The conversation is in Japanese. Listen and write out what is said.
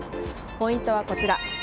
ポイントはこちら。